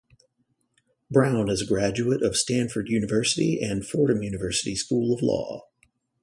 Brown is a graduate of Stanford University and Fordham University School of Law.